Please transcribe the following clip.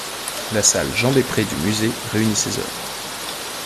La salle Jean Després du musée réunit ces œuvres.